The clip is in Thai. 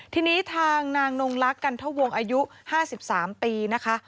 ทีนี้ทางนางนงลักษณ์กันทะวงอายุ๕๓ปีนะคะ